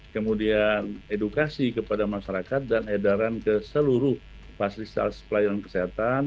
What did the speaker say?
kemudian edukasi kepada masyarakat dan edaran ke seluruh fasilitas pelayanan kesehatan